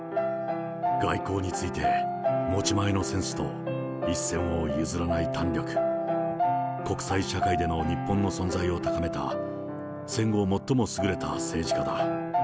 外交について持ち前のセンスと、一線を譲らない胆力、国際社会での日本の存在を高めた、戦後最も優れた政治家だ。